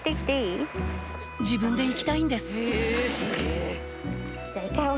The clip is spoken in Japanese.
自分で行きたいんです